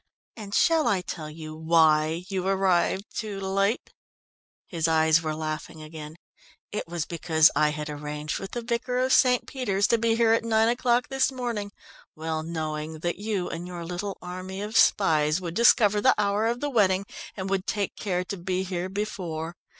And shall I tell you why you arrived too late?" His eyes were laughing again. "It was because I had arranged with the vicar of St. Peter's to be here at nine o'clock this morning, well knowing that you and your little army of spies would discover the hour of the wedding, and would take care to be here before.